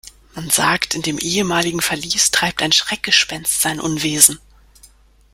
Man sagt, in dem ehemaligen Verlies treibt ein Schreckgespenst sein Unwesen.